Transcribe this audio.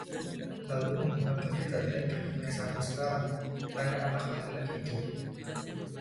“Lalu, mengapa kita tidak pergi ke sana sekarang?” tanya anak laki-laki itu.